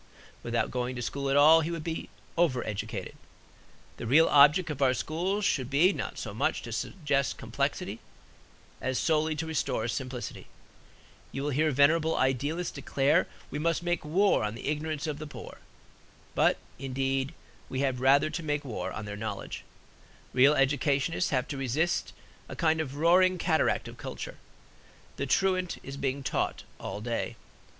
Without going to school at all, he would be over educated. The real object of our schools should be not so much to suggest complexity as solely to restore simplicity. You will hear venerable idealists declare we must make war on the ignorance of the poor; but, indeed, we have rather to make war on their knowledge. Real educationists have to resist a kind of roaring cataract of culture. The truant is being taught all day.